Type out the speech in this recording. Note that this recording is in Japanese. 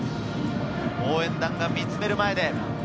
応援団が見つめる前で。